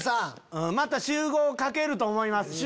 また集合かけると思います。